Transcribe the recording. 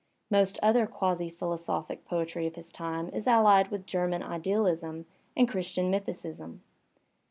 Most other quasi philosophic poetry of his time is allied with German idealism and Chris tian mysticism.